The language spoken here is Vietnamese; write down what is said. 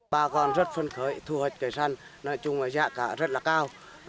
bà con rất phân khởi thu hợp cây sắn nói chung là giá cả rất là cao